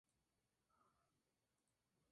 Se licenció en Comunicación y Periodismo.